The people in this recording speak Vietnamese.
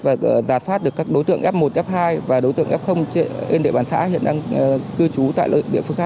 và giả soát được các đối tượng f một f hai và đối tượng f trên địa bàn xã hiện đang cư trú